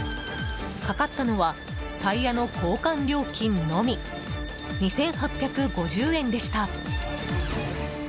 かかったのはタイヤの交換料金のみ２８５０円でした。